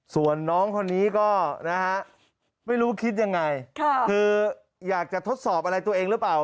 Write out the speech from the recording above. ส่วนน้องคนนี้ก็นะฮะไม่รู้คิดยังไงคืออยากจะทดสอบอะไรตัวเองหรือเปล่า